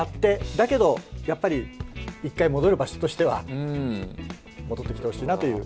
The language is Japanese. だけどやっぱり一回戻る場所としては戻ってきてほしいなという。